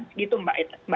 begitu mbak esa